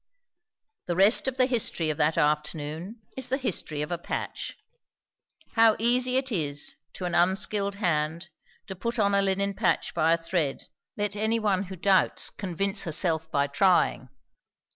The rest of the history of that afternoon is the history of a patch. How easy it is, to an unskilled hand, to put on a linen patch by a thread, let anyone who doubts convince herself by trying.